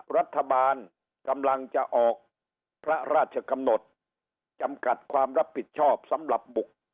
รัฐบาลกำลังจะออกพระราชกำหนดจำกัดความรับผิดชอบสำหรับบุก